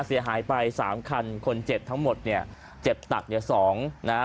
เสียหายไปสามคันคนเจ็บทั้งหมดเนี่ยเจ็บตักเนี่ยสองนะฮะ